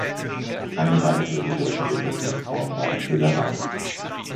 Eine weitere bedeutende Nutzungsform war die Köhlerei.